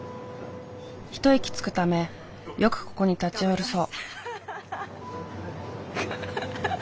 一息つくためよくここに立ち寄るそう。